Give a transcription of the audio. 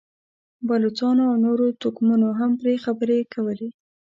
بلوڅانو او نورو توکمونو هم پرې خبرې کولې.